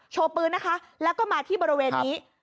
โชว์ปืนนะคะแล้วก็มาที่บริเวณนี้